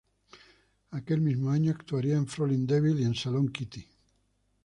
Aquel mismo año actuaría en "Fräulein Devil" y en "Salón Kitty".